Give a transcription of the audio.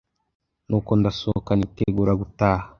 Nuko ndasohoka nitegura gutaha